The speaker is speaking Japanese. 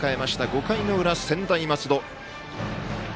５回の裏、専大松戸。